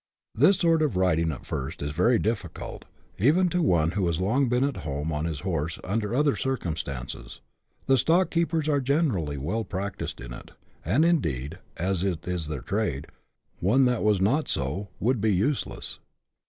This sort of riding is at first very difficult, even to one who has long been at home on his horse under other circumstances ; the stock keepers are generally well practised in it, and, indeed, as it is their trade, one that was not so would be useless.